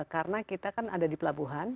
karena kita kan ada di pelabuhan